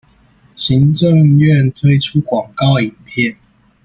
行政院推出廣告影片